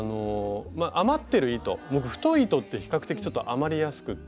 余ってる糸太い糸って比較的ちょっと余りやすくって。